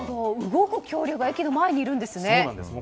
動く恐竜が駅の前にいるんですね。